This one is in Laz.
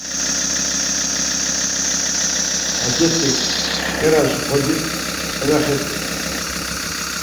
Xacceti ǩeraş ğocis elaxet̆u.